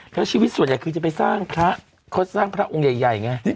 แล้วชีวิตส่วนใหญ่คือเธอจะไปสร้างพระพระองค์ใหญ่ไง